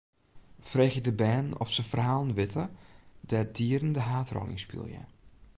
Freegje de bern oft se ferhalen witte dêr't dieren de haadrol yn spylje.